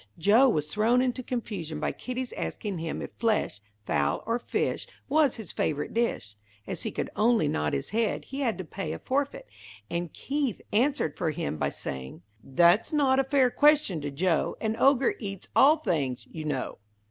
Joe was thrown into confusion by Kitty's asking him if flesh, fowl, or fish, was his favourite dish. As he could only nod his head, he had to pay a forfeit, and Keith answered for him by saying, "That's not a fair question to Joe. An ogre eats all things, you know."